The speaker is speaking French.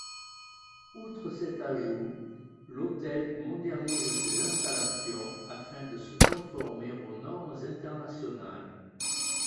Outre cet ajout, l'hôtel modernise ses installations afin de se conformer aux normes internationales.